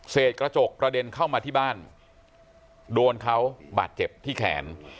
กระจกกระเด็นเข้ามาที่บ้านโดนเขาบาดเจ็บที่แขน